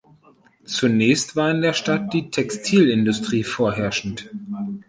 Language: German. Zunächst war in der Stadt die Textilindustrie vorherrschend.